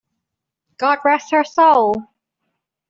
God rest her soul!